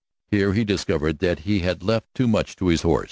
Here he discovered that he had left too much to his horse.